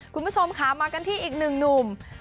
คุณผู้ชมค่ะมากันที่อีกหนึ่งหนุ่ม